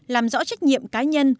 làm rõ trách nhiệm cá nhân